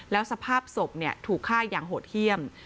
แล้วสภาพศพถูกฆ่าอย่างโหดเยี่ยม